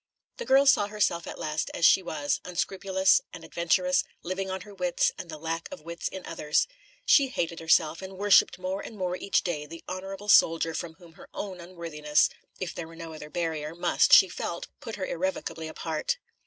The girl saw herself at last as she was, unscrupulous, an adventuress, living on her wits and the lack of wits in others. She hated herself, and worshipped more and more each day the honourable soldier from whom her own unworthiness (if there were no other barrier) must, she felt, put her irrevocably apart.